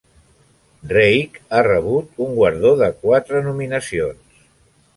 Reik ha rebut un guardó de quatre nominacions.